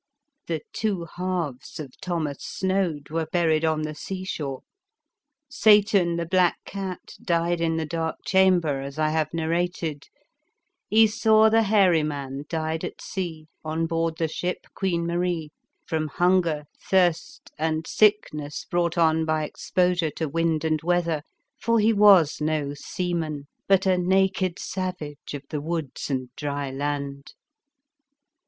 The two halves of Thomas Snoad were buried on the sea shore; Satan, the black cat, died in the Dark Chamber, as I have narrated; Esau, the hairy man, died at sea on board the ship Queen Marie from hunger, thirst, and sickness brought on by ex i35 The Fearsome Island posure to wind and weather, for he was no seaman, but a naked savage of the woods and dry land.